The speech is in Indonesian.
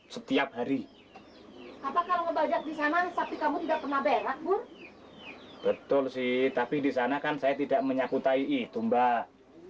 setiap hari hari kamu tidak pernah berak betul sih tapi di sana kan saya tidak menyakutai itu mbak